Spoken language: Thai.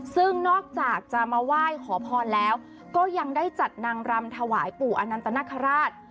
ซึ่งนอกจากจะมาไหว้ขอพรแล้วก็ยังได้จัดนางรำถวายปู่อนันตนคราช